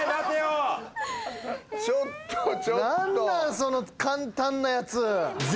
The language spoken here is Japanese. その簡単なやつ！」